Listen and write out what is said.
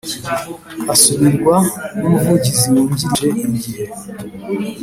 Asimburwa n umuvugizi wungirije igihe